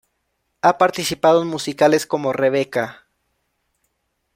Ha participado en musicales como "Rebecca".